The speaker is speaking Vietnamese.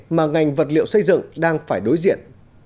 mà ngành vật liệu xây dựng đang phải đối diện